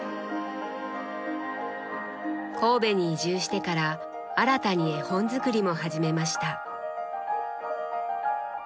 神戸に移住してから新たに絵本作りも始めました。